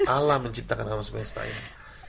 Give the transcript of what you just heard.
alam menciptakan alam semesta ini